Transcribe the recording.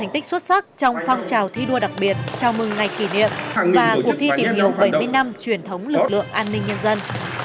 thành tích xuất sắc trong phong trào thi đua đặc biệt chào mừng ngày kỷ niệm và cuộc thi tìm hiểu bảy mươi năm truyền thống lực lượng an ninh nhân dân